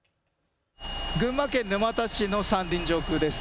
群馬県沼田市の山林上空です。